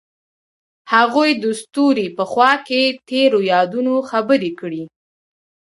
هغوی د ستوري په خوا کې تیرو یادونو خبرې کړې.